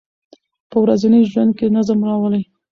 په ورځني ژوند کې نظم راولئ.